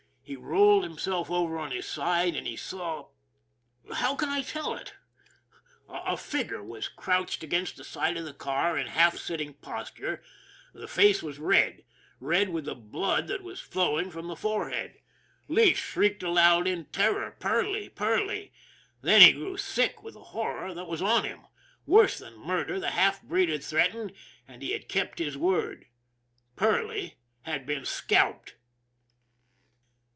He rolled himself over on his side, and he saw How can I tell it! A figure was crouched against the side of the car in a half sitting posture, the face was red red with the blood that was flowing from the forehead. Lee shrieked aloud in terror. " Perley ! Perley !" Then he grew sick with the horror that was on him. Worse than murder the half breed had threat ened and he had kept his word. Perley had been scalped